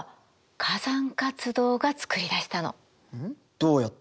どうやって？